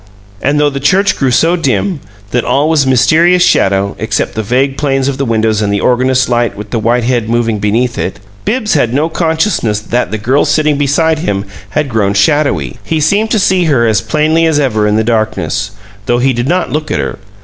And though the church grew so dim that all was mysterious shadow except the vague planes of the windows and the organist's light, with the white head moving beneath it, Bibbs had no consciousness that the girl sitting beside him had grown shadowy; he seemed to see her as plainly as ever in the darkness, though he did not look at her.